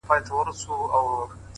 خپل کار په غوره ډول ترسره کړئ’